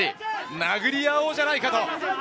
殴り合おうじゃないかと！